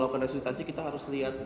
lakukan resitasi kita harus lihat